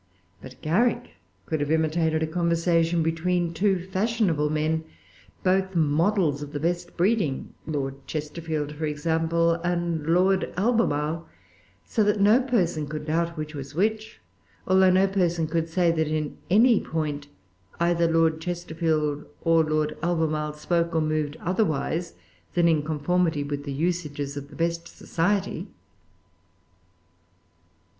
But Garrick could have imitated a conversation between two fashionable men, both models of the best breeding, Lord Chesterfield, for example, and Lord Albemarle, so that no person could doubt which was which, although no person could say that, in any point, either Lord Chesterfield or Lord Albemarle spoke or moved otherwise than in conformity with the usages of the best society.